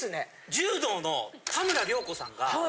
柔道の田村亮子さんが。